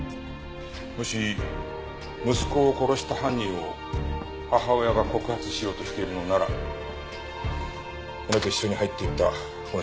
もし息子を殺した犯人を母親が告発しようとしているのなら骨と一緒に入っていたこの写真。